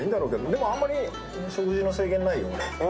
でもあんまり食事の制限ないよ。